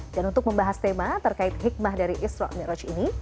dan untuk membahas tema terkait hikmah dari isra' mi'raj ini